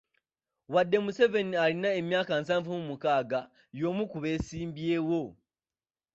Wadde nga Museveni alina emyaka nsavu mu mukaaga, y'omu ku beesimbyewo.